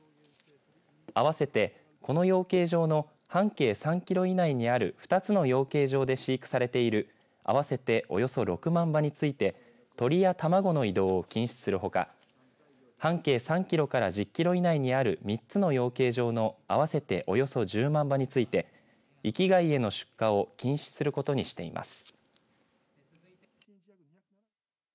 合わせてこの養鶏場の半径３キロ以内にある２つの養鶏場で飼育されている合わせておよそ６万羽について鳥や卵の移動を禁止するほか半径３キロから１０キロ以内にある３つの養鶏場の合わせておよそ１０万羽について域外への出荷を禁止することにしています。